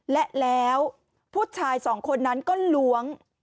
และแล้วผู้ชายสองคนนั้นก็ล้วง